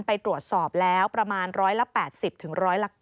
ไปตรวจสอบแล้วประมาณ๑๘๐ถึง๑๙